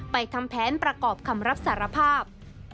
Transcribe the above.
ทำแผนประกอบคำรับสารภาพ